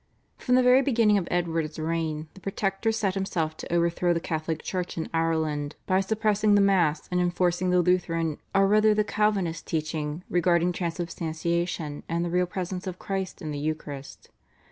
From the very beginning of Edward's reign the Protector set himself to overthrow the Catholic Church in Ireland by suppressing the Mass and enforcing the Lutheran or rather the Calvinist teaching regarding Transubstantiation and the Real Presence of Christ in the Eucharist.